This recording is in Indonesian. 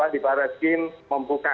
di barat green membuka